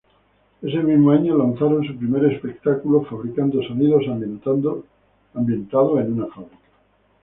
Ese mismo año lanzaron su primer espectáculo, Fabricando sonidos, ambientado en una fábrica.